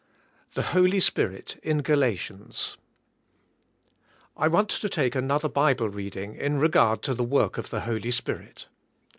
103 XTbe ftolg Spirit in Galatians* I want to take another Bible reading in reg ard to the work of the Holy Spirit.